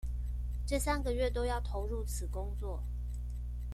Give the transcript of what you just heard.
這三個月都要投入此工作